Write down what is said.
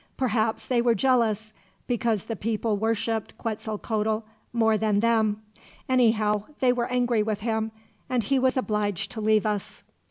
Perhaps they were jealous, because the people worshiped Quetzalcoatl more than them. Anyhow, they were angry with him, and he was obliged to leave us.